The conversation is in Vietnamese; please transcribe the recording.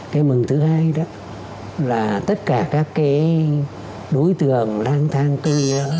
cái mừng thứ hai đó là tất cả các cái đối tượng lang thang cư